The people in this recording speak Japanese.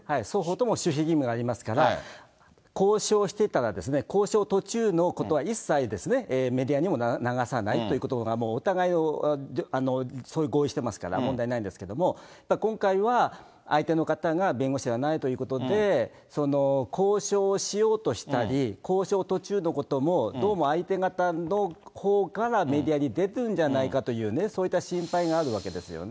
守秘義務がありますから、交渉していたら、交渉途中のことは一切、メディアにも流さないということがお互い、そういう合意してますから、問題ないんですけども、やっぱり今回は、相手の方が弁護士ではないということで、交渉しようとしたり、交渉途中のことも、どうも相手方のほうからメディアに出てるんじゃないかっていうね、そういった心配があるわけですよね。